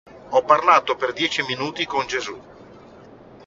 Ho parlato per dieci minuti con Gesù.